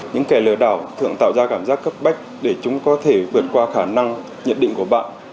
những kẻ lừa đảo thường tạo ra cảm giác cấp bách để chúng có thể vượt qua khả năng nhận định của bạn